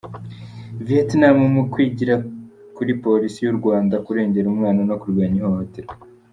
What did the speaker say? Viyetinamu mu kwigira kuri Polisi y’u Rwanda kurengera umwana no kurwanya ihohoterwa